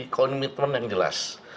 commitment yang jelas